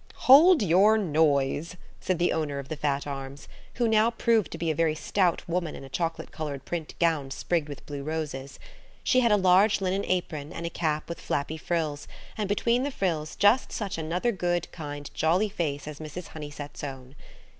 "Hold your noise," said the owner of the fat arms, who now proved to be a very stout woman in a chocolate coloured print gown sprigged with blue roses. She had a large linen apron and a cap with flappy frills, and between the frills just such another good, kind, jolly face as Mrs. Honeysett's own.